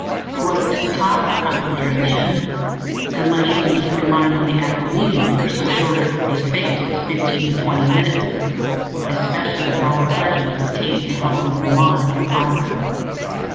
What use to talk of concentration unless you can keep your mind on the act of eating for so short a space as fifteen or twenty minutes, especially with all the pleasures of taste to help you? Go on, and conquer.